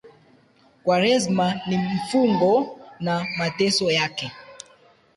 Kwaresima ni mafungo na mateso yake